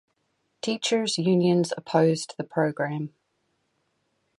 Teachers unions opposed the program.